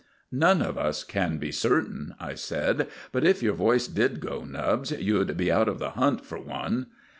"None of us can be certain," I said; "but if your voice did go, Nubbs, you'd be out of the hunt for one."